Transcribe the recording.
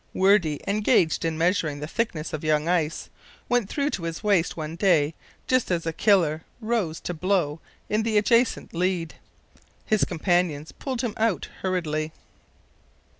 Wordie, engaged in measuring the thickness of young ice, went through to his waist one day just as a killer rose to blow in the adjacent lead. His companions pulled him out hurriedly.